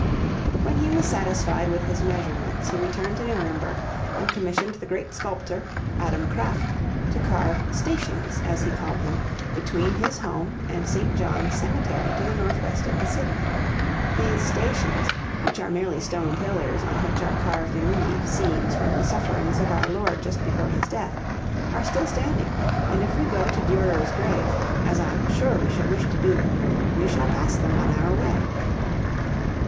When he was satisfied with his measurements he returned to Nuremberg and commissioned the great sculptor, Adam Kraft, to carve "stations," as he called them, between his home and St. John's Cemetery to the northwest of the city. These "stations," which are merely stone pillars on which are carved in relief scenes from the sufferings of our Lord just before his death, are still standing, and if we go to Durer's grave, as I am sure we should wish to do, we shall pass them on our way.